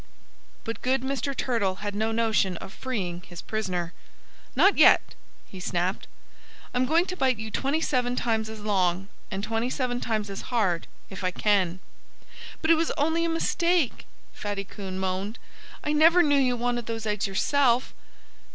But good Mr. Turtle had no notion of freeing his prisoner. "Not yet!" he snapped. "I'm going to bite you twenty seven times as long, and twenty seven times as hard if I can." "But it was only a mistake!" Fatty Coon moaned. "I never knew you wanted those eggs yourself."